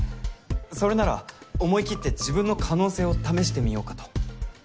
それなら思い切って自分の可能性を試してみようかと。